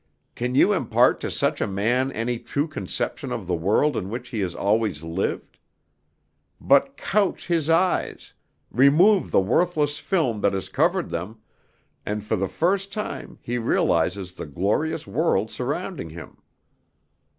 Can you impart to such a man any true conception of the world in which he has always lived? But couch his eyes, remove the worthless film that has covered them, and for the first time he realizes the glorious world surrounding him.